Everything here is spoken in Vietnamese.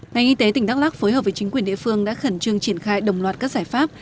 ngành y tế tỉnh đắk lắc phối hợp với chính quyền địa phương đã khẩn trương triển khai đồng loạt các giải pháp